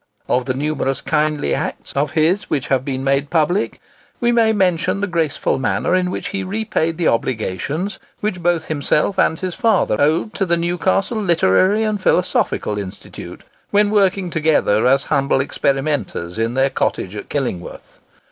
Of the numerous kindly acts of his which have been made public, we may mention the graceful manner in which he repaid the obligations which both himself and his father owed to the Newcastle Literary and Philosophical Institute, when working together as humble experimenters in their cottage at Killingworth.